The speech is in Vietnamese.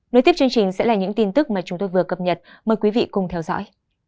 nối tiếp chương trình sẽ là những tin tức mà chúng tôi vừa cập nhật mời quý vị cùng theo dõi